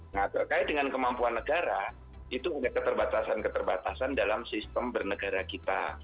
nah terkait dengan kemampuan negara itu ada keterbatasan keterbatasan dalam sistem bernegara kita